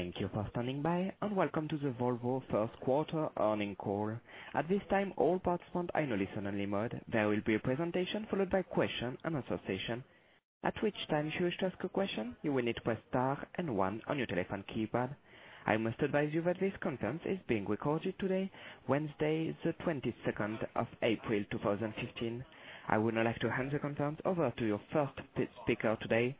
Thank you for standing by. Welcome to the Volvo first quarter earnings call. At this time, all participants are in listen-only mode. There will be a presentation followed by a question-and-answer session. At which time if you wish to ask a question, you will need to press star and one on your telephone keypad. I must advise you that this conference is being recorded today, Wednesday, the 22nd of April, 2015. I would now like to hand the conference over to your first speaker today,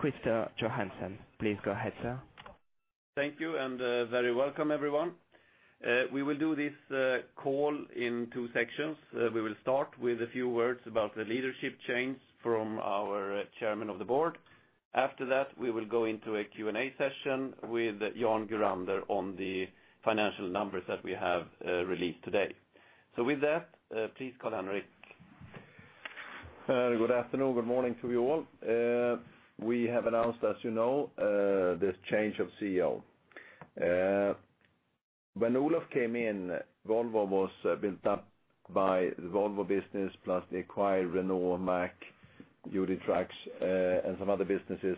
Christer Johansson. Please go ahead, sir. Thank you. Very welcome everyone. We will do this call in two sections. We will start with a few words about the leadership change from our Chairman of the Board. After that, we will go into a Q&A session with Jan Gurander on the financial numbers that we have released today. With that, please call on Rickard. Good afternoon, good morning to you all. We have announced, as you know, this change of CEO. When Olof came in, Volvo was built up by the Volvo business, plus they acquired Renault Trucks, Mack Trucks, UD Trucks, and some other businesses.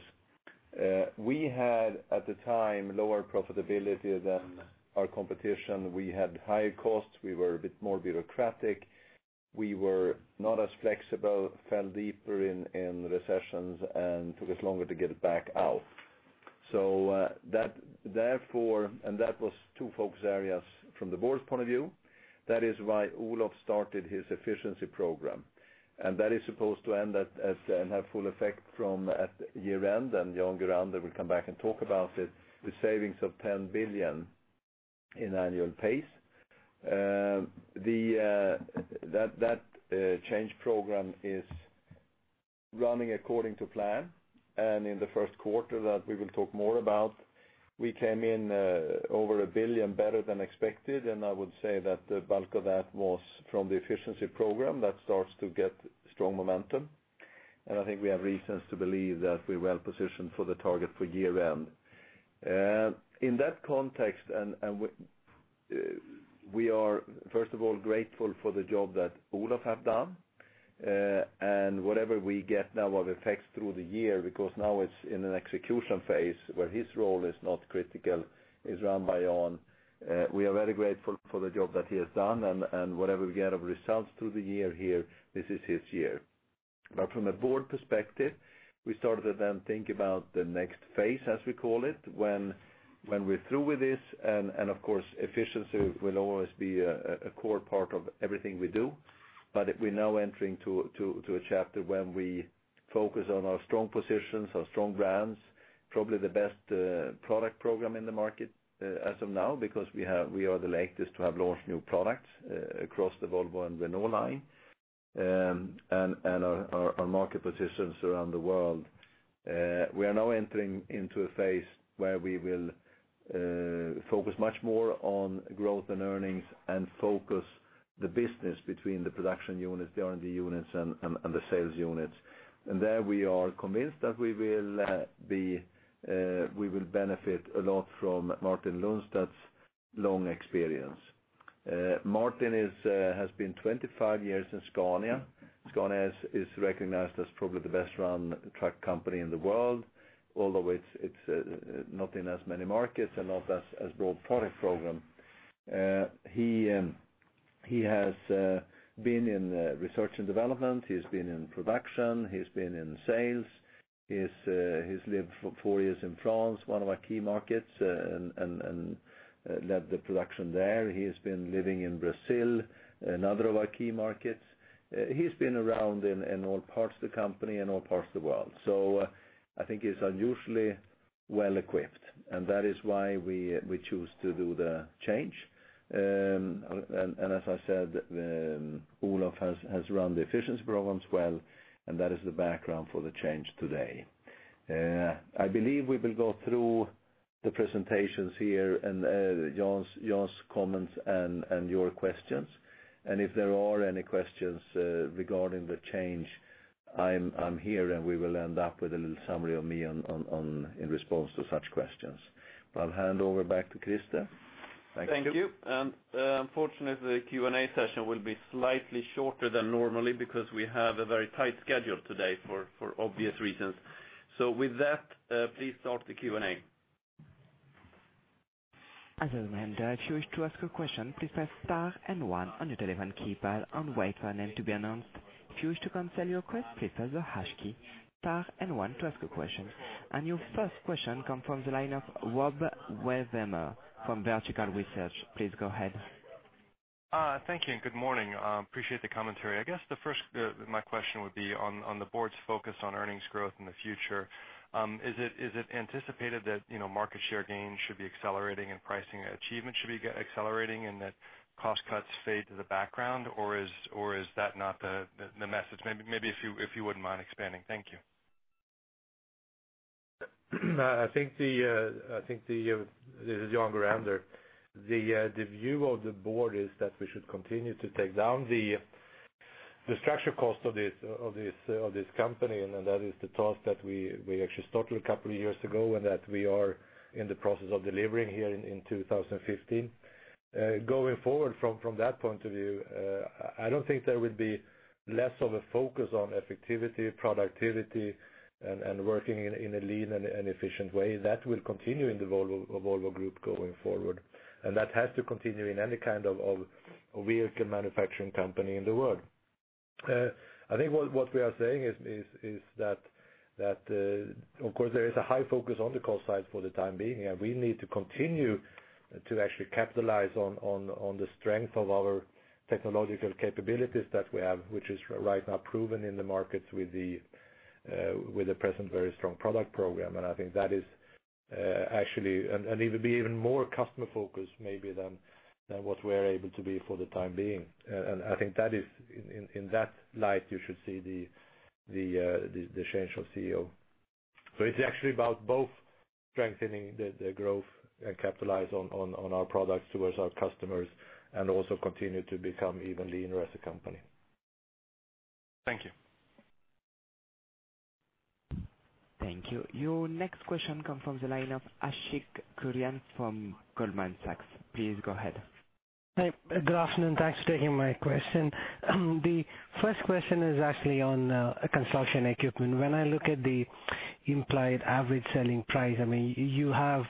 We had, at the time, lower profitability than our competition. We had higher costs. We were a bit more bureaucratic. We were not as flexible, fell deeper in recessions, and took us longer to get back out. That was two focus areas from the Board's point of view. That is why Olof started his efficiency program. That is supposed to end that, and have full effect from at year-end, and Jan Gurander will come back and talk about it, the savings of 10 billion in annual pace. That change program is running according to plan. In the first quarter that we will talk more about, we came in over 1 billion better than expected, and I would say that the bulk of that was from the efficiency program that starts to get strong momentum. I think we have reasons to believe that we're well-positioned for the target for year-end. In that context, we are first of all grateful for the job that Olof has done. Whatever we get now of effects through the year, because now it's in an execution phase where his role is not critical, is run by Jan. We are very grateful for the job that he has done and whatever we get of results through the year here, this is his year. From a board perspective, we started to then think about the next phase, as we call it, when we're through with this, and of course, efficiency will always be a core part of everything we do. We're now entering to a chapter when we focus on our strong positions, our strong brands, probably the best product program in the market as of now, because we are the latest to have launched new products across the Volvo and Renault line, and our market positions around the world. We are now entering into a phase where we will focus much more on growth and earnings and focus the business between the production units, the R&D units, and the sales units. There we are convinced that we will benefit a lot from Martin Lundstedt's long experience. Martin has been 25 years in Scania. Scania is recognized as probably the best run truck company in the world, although it's not in as many markets and not as broad product program. He has been in research and development. He's been in production. He's been in sales. He's lived for four years in France, one of our key markets, and led the production there. He has been living in Brazil, another of our key markets. I think he's unusually well-equipped, and that is why we choose to do the change. As I said, Olof has run the efficiency programs well, and that is the background for the change today. I believe we will go through the presentations here and Jan's comments and your questions. If there are any questions regarding the change, I'm here and we will end up with a little summary of me in response to such questions. I'll hand over back to Christer. Thank you. Thank you. Unfortunately, the Q&A session will be slightly shorter than normally because we have a very tight schedule today for obvious reasons. With that, please start the Q&A. As a reminder, if you wish to ask a question, please press star and one on your telephone keypad and wait for your name to be announced. If you wish to cancel your request, please press the hash key. Star and one to ask a question. Your first question comes from the line of Rob Wertheimer from Vertical Research. Please go ahead. Thank you and good morning. Appreciate the commentary. My question would be on the Board's focus on earnings growth in the future. Is it anticipated that market share gains should be accelerating and pricing achievement should be accelerating and that cost cuts fade to the background? Or is that not the message? Maybe if you wouldn't mind expanding. Thank you. This is Jan Gurander. The view of the Board is that we should continue to take down the The structure cost of this company, and that is the task that we actually started a couple of years ago, and that we are in the process of delivering here in 2015. Going forward from that point of view, I don't think there will be less of a focus on effectivity, productivity, and working in a lean and efficient way. That will continue in the Volvo Group going forward. That has to continue in any kind of vehicle manufacturing company in the world. I think what we are saying is that, of course, there is a high focus on the cost side for the time being. We need to continue to actually capitalize on the strength of our technological capabilities that we have, which is right now proven in the markets with the present very strong product program. I think that is actually, and it will be even more customer focused maybe than what we're able to be for the time being. I think in that light, you should see the change of CEO. It's actually about both strengthening the growth and capitalize on our products towards our customers, and also continue to become even leaner as a company. Thank you. Thank you. Your next question comes from the line of Ashik Musaddi from Goldman Sachs. Please go ahead. Hi. Good afternoon. Thanks for taking my question. The first question is actually on Construction Equipment. When I look at the implied average selling price, you have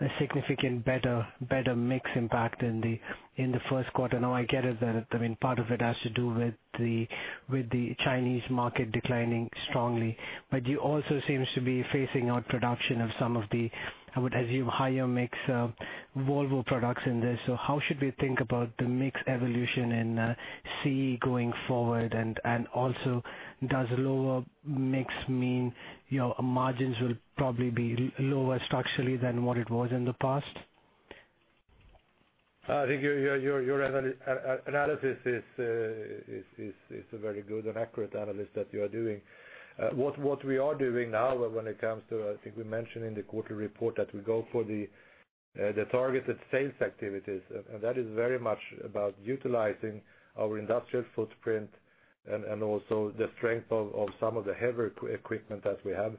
a significant better mix impact in the first quarter. I get it that, part of it has to do with the Chinese market declining strongly. You also seems to be phasing out production of some of the, I would assume, higher mix Volvo products in there. How should we think about the mix evolution in CE going forward? Does lower mix mean margins will probably be lower structurally than what it was in the past? I think your analysis is a very good and accurate analysis that you are doing. What we are doing now when it comes to, I think we mentioned in the quarter report that we go for the targeted sales activities. That is very much about utilizing our industrial footprint and also the strength of some of the heavier equipment that we have.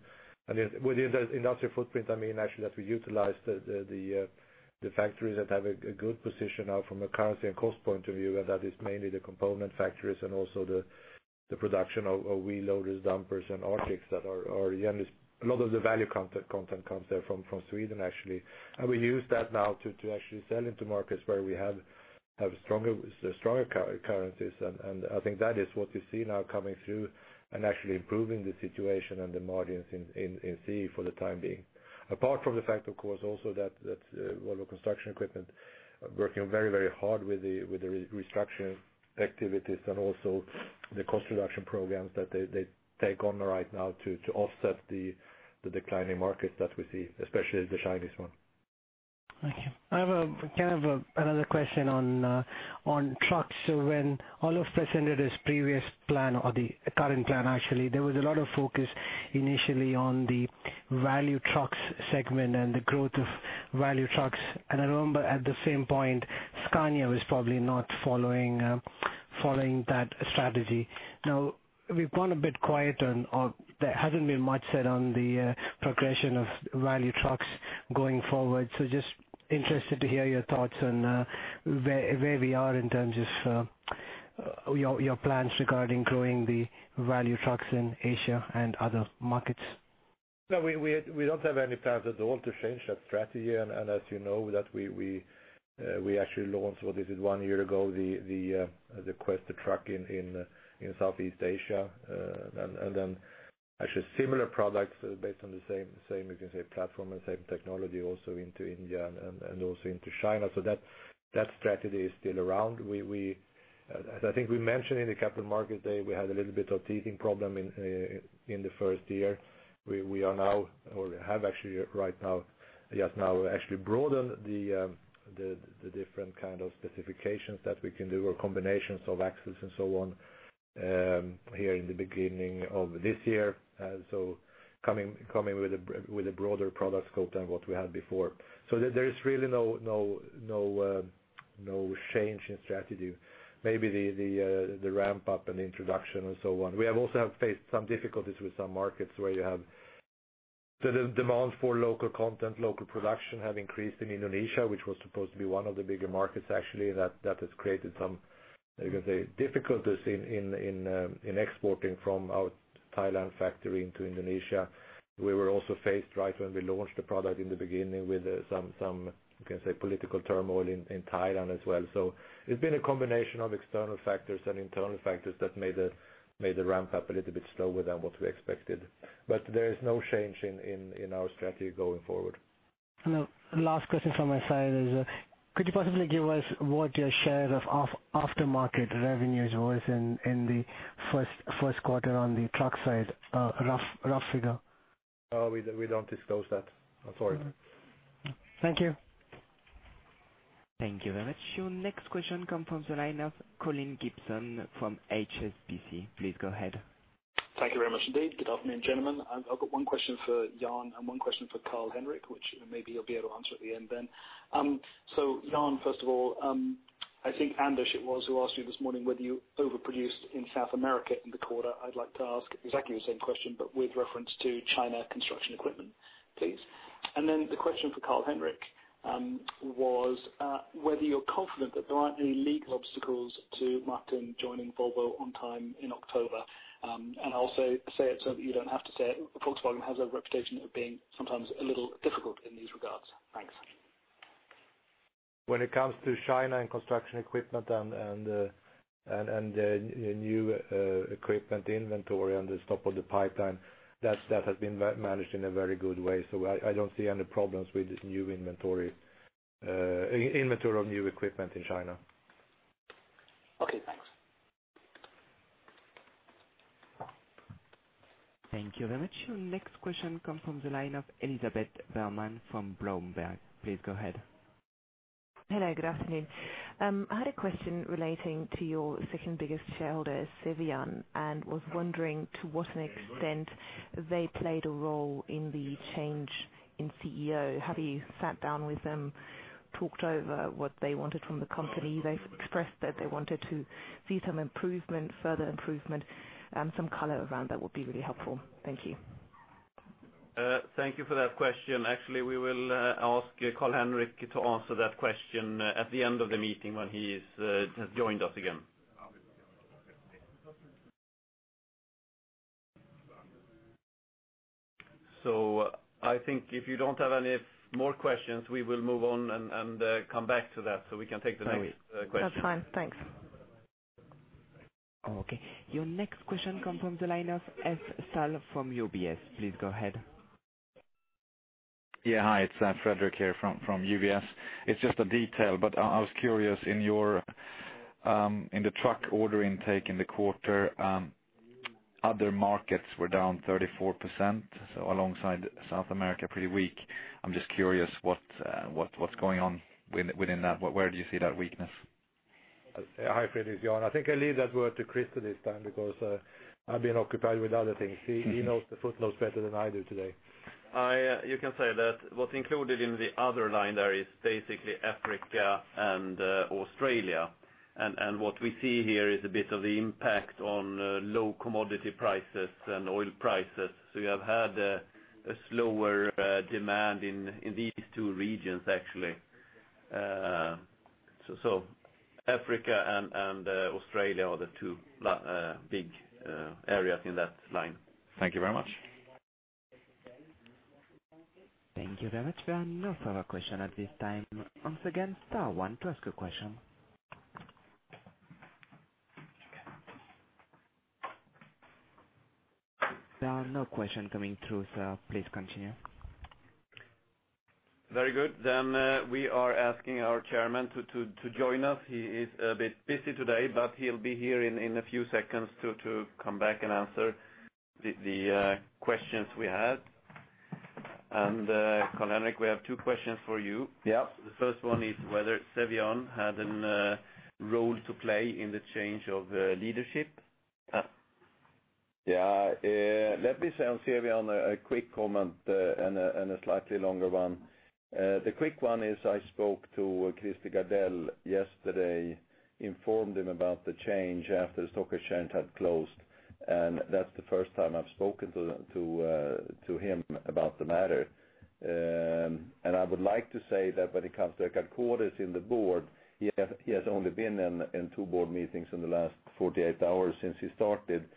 With the industrial footprint, I mean actually that we utilize the factories that have a good position now from a currency and cost point of view, and that is mainly the component factories and also the production of wheel loaders, dumpers, and artics that are, a lot of the value content comes there from Sweden actually. We use that now to actually sell into markets where we have stronger currencies. I think that is what you see now coming through and actually improving the situation and the margins in CE for the time being. Apart from the fact, of course, also that Volvo Construction Equipment are working very, very hard with the restructuring activities and also the cost reduction programs that they take on right now to offset the declining market that we see, especially the Chinese one. Thank you. I have kind of another question on trucks. When Olof presented his previous plan or the current plan actually, there was a lot of focus initially on the value trucks segment and the growth of value trucks. I remember at the same point, Scania was probably not following that strategy. We've gone a bit quiet and there hasn't been much said on the progression of value trucks going forward. Just interested to hear your thoughts on where we are in terms of your plans regarding growing the value trucks in Asia and other markets. No, we don't have any plans at all to change that strategy. As you know that we actually launched, well, this is one year ago, the Quester truck in Southeast Asia. Then actually similar products based on the same, you can say, platform and same technology also into India and also into China. That strategy is still around. As I think we mentioned in the Capital Markets Day, we had a little bit of teething problem in the first year. We are now, or we have actually right now, yes, now we actually broaden the different kind of specifications that we can do or combinations of axes and so on, here in the beginning of this year. Coming with a broader product scope than what we had before. There is really no change in strategy. Maybe the ramp up and introduction and so on. We have also faced some difficulties with some markets where you have the demand for local content, local production have increased in Indonesia, which was supposed to be one of the bigger markets, actually, that has created some, you can say, difficulties in exporting from our Thailand factory into Indonesia. We were also faced right when we launched the product in the beginning with some, you can say, political turmoil in Thailand as well. It's been a combination of external factors and internal factors that made the ramp up a little bit slower than what we expected. There is no change in our strategy going forward. The last question from my side is, could you possibly give us what your share of after-market revenues was in the first quarter on the truck side? A rough figure. Oh, we don't disclose that. I'm sorry. Thank you. Thank you very much. Your next question comes from the line of Colin Gibson from HSBC. Please go ahead. Thank you very much indeed. Good afternoon, gentlemen. I've got one question for Jan and one question for Carl-Henric, which maybe you'll be able to answer at the end then. Jan, first of all, I think Anders it was, who asked you this morning whether you overproduced in South America in the quarter. I'd like to ask exactly the same question, but with reference to China construction equipment, please. The question for Carl-Henric was whether you're confident that there aren't any legal obstacles to Martin joining Volvo on time in October. I'll say it so that you don't have to say it. Volkswagen has a reputation of being sometimes a little difficult in these regards. Thanks. When it comes to China and construction equipment and the new equipment inventory and the top of the pipeline, that has been managed in a very good way. I don't see any problems with inventory of new equipment in China. Okay. Thanks. Thank you very much. Your next question comes from the line of Elisabeth Behrmann from Bloomberg. Please go ahead. Hello, good afternoon. I had a question relating to your second-biggest shareholder, Cevian, was wondering to what an extent they played a role in the change in CEO. Have you sat down with them, talked over what they wanted from the company? They've expressed that they wanted to see some further improvement. Some color around that would be really helpful. Thank you. Thank you for that question. Actually, we will ask Carl-Henric to answer that question at the end of the meeting when he has joined us again. I think if you don't have any more questions, we will move on and come back to that so we can take the next question. That's fine. Thanks. Okay. Your next question comes from the line of Fredrik Säll from UBS. Please go ahead. Yeah. Hi, it's Fredrik here from UBS. It's just a detail, but I was curious, in the truck order intake in the quarter, other markets were down 34%, so alongside South America, pretty weak. I'm just curious what's going on within that. Where do you see that weakness? Hi, Fredrik, it's Jan. I think I leave that word to Christer this time because I've been occupied with other things. He knows the footnotes better than I do today. You can say that what's included in the other line there is basically Africa and Australia. What we see here is a bit of the impact on low commodity prices and oil prices. You have had a slower demand in these two regions, actually. Africa and Australia are the two big areas in that line. Thank you very much. Thank you very much. We have no further question at this time. Once again, star one to ask a question. There are no question coming through, sir. Please continue. Very good. We are asking our chairman to join us. He is a bit busy today, but he’ll be here in a few seconds to come back and answer the questions we had. Carl-Henric Svanberg, we have two questions for you. Yeah. The first one is whether Cevian had a role to play in the change of leadership. Yeah. Let me say on Cevian a quick comment and a slightly longer one. The quick one is I spoke to Christer Gardell yesterday, informed him about the change after the Stockholm Exchange had closed, and that's the first time I've spoken to him about the matter. I would like to say that when it comes to Eckhard Cordes in the board, he has only been in two board meetings in the last 48 hours since he started.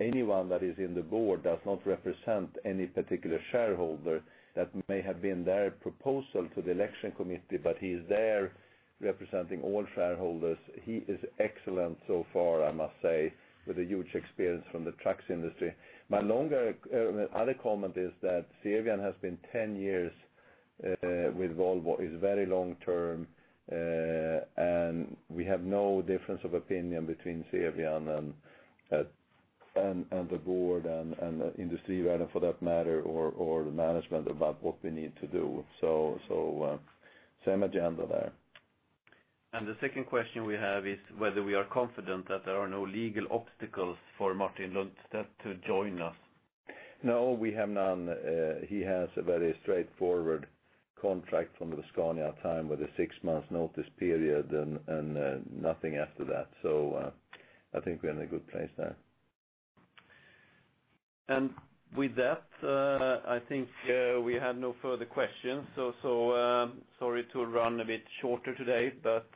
Anyone that is in the board does not represent any particular shareholder. That may have been their proposal to the election committee, but he's there representing all shareholders. He is excellent so far, I must say, with a huge experience from the trucks industry. My other comment is that Cevian has been 10 years with Volvo, is very long-term, and we have no difference of opinion between Cevian and the board and Industrivärden for that matter, or the management about what we need to do. Same agenda there. The second question we have is whether we are confident that there are no legal obstacles for Martin Lundstedt to join us. No, we have none. He has a very straightforward contract from the Scania time with a six-month notice period and nothing after that. I think we're in a good place there. With that, I think we have no further questions. Sorry to run a bit shorter today, but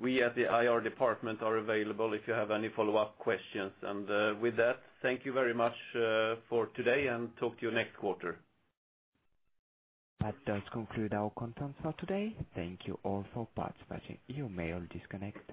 we at the IR department are available if you have any follow-up questions. With that, thank you very much for today and talk to you next quarter. That does conclude our conference call today. Thank you all for participating. You may all disconnect.